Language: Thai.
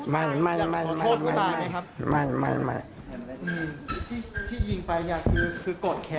ไม่มีอะไรค่ะ